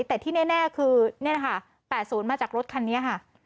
แต่ที่แน่คือเนี่ยนะคะแปดศูนย์มาจากรถคันนี้ฮะ